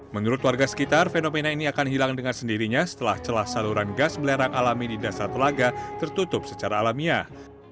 menurut warga sekitar fenomena ini akan hilang dengan sendirinya setelah celah saluran gas belerang alami di dasar telaga tertutup secara alamiah